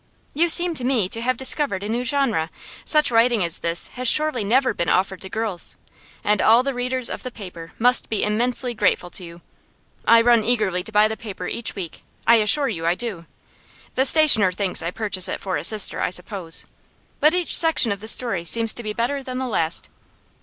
You seem to me to have discovered a new genre; such writing as this has surely never been offered to girls, and all the readers of the paper must be immensely grateful to you. I run eagerly to buy the paper each week; I assure you I do. The stationer thinks I purchase it for a sister, I suppose. But each section of the story seems to be better than the last.